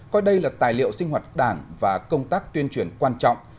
coi đây là tài liệu sinh hoạt đảng và công tác tuyên truyền quan trọng